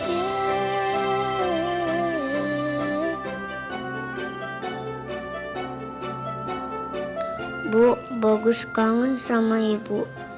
ibu bagus kangen sama ibu